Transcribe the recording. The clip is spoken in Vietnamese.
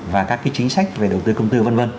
và các chính sách về đầu tư công tư v v